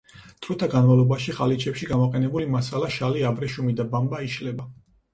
დროთა განმავლობაში ხალიჩებში გამოყენებული მასალა შალი, აბრეშუმი და ბამბა, იშლება.